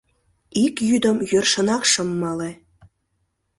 Ик йӱдым йӧршынак шым мале.